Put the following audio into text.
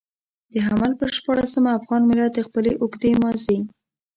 د حمل پر شپاړلسمه افغان ملت د خپلې اوږدې ماضي.